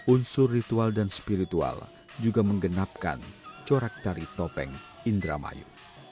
unsur ritual dan spiritual juga menggenapkan corak tari topeng indramayu